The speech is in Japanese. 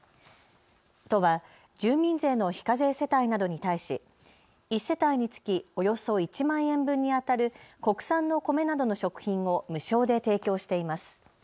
都は住民税の非課税世帯などに対し、１世帯につきおよそ１万円分にあたる国産の米などの食品を無償で提供しています。